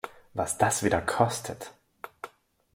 Was das wieder kostet!